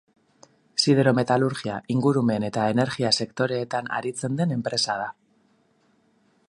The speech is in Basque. Siderometalurgia, ingurumen eta energia sektoreetan aritzen den enpresa da.